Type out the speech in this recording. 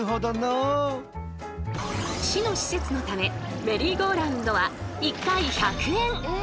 市の施設のためメリーゴーラウンドは１回１００円。